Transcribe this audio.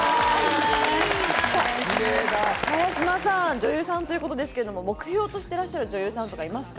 女優さんということですが、目標としてらっしゃる女優さんはいますか？